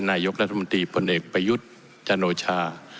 นายกรัฐมนตรีพลเอกประยุทธ์จันโอชา